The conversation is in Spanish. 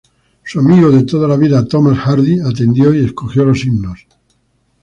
Su amigo de toda la vida Thomas Hardy atendió y escogió los himnos.